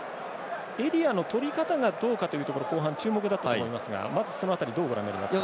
エリアのとり方がどうか後半、注目だったと思いますがまずその辺りどうご覧になりますか？